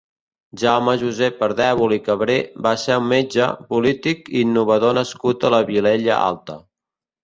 Jaume Josep Ardèvol i Cabrer va ser un metge, polític i innovador nascut a la Vilella Alta.